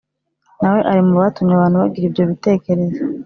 na we ari mu batumye abantu bagira ibyo bitekerezo.